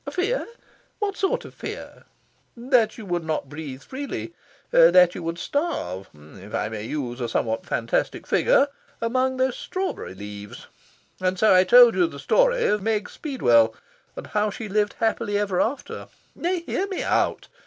"A fear? What sort of a fear?" "That you would not breathe freely that you would starve (if I may use a somewhat fantastic figure) among those strawberry leaves. And so I told you the story of Meg Speedwell, and how she lived happily ever after. Nay, hear me out!